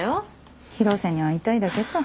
広瀬に会いたいだけか。